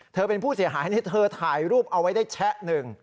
เธอเป็นผู้เสียหายนี่เธอถ่ายรูปเอาไว้ได้แชะหนึ่ง